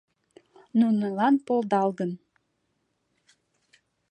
Нунылан полдалгын